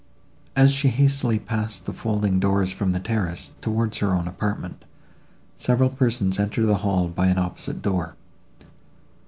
As she hastily passed the folding doors from the terrace, towards her own apartment, several persons entered the hall by an opposite door.